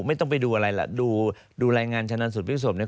ไม่ต้องไปดูอะไรล่ะดูรายงานชนะสูตรพลิกศพเนี่ย